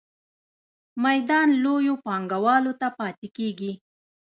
میدان لویو پانګوالو ته پاتې کیږي.